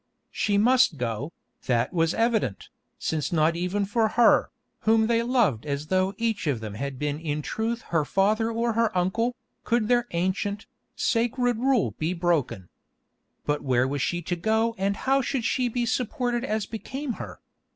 She must go, that was evident, since not even for her, whom they loved as though each of them had been in truth her father or her uncle, could their ancient, sacred rule be broken. But where was she to go and how should she be supported as became her?